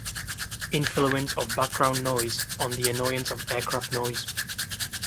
Influence of background noise on the annoyance of aircraft noise.